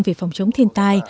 về phòng chống thiên tai